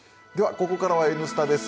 ここからは「Ｎスタ」です。